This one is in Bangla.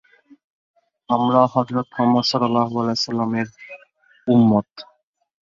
ফরিদপুর বিভাগ কার্যকর হলেই এর মর্যাদা পাবে ফরিদপুর।